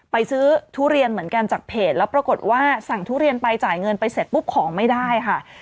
ไปซื้อทุเรียนเหมือนกันจากเพจแล้วปรากฏว่าสั่งทุเรียนไปจ่ายเงินไปเสร็จปุ๊บของไม่ได้ค่ะ